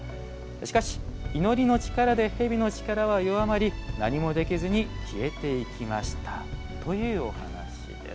しかし、祈りの力で蛇の力は弱まり何もできずに消えていきましたというお話しです。